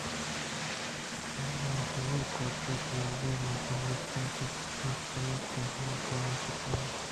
آ ہما کوٹی ءَ تیوگیں روچ ءَ نشتگ کہ ہمود ا کلام کیت ءُنندیت